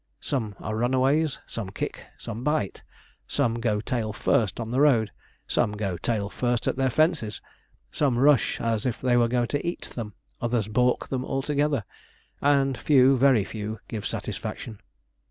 Some are runaways some kick some bite some go tail first on the road some go tail first at their fences some rush as if they were going to eat them, others baulk them altogether and few, very few, give satisfaction.